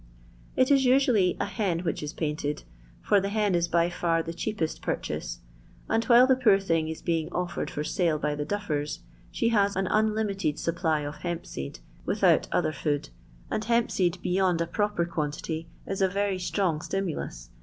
It is usually a hen which is painted, for the hen is by fiir the cheapest purchase, and while the poor thing is being ofiered for sale by the duffers, she has an unlimited supply of hemp seed, with out other food, and hemp seed beyond a proper quantity, is a yery strong sUmulus.